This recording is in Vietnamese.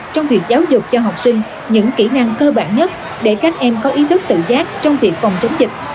trong việc giáo dục cho học sinh những kỹ năng cơ bản nhất để các em có ý thức tự giác trong việc phòng chống dịch